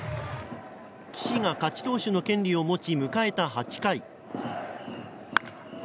岸が勝ち投手の権利を持ち迎えた８回。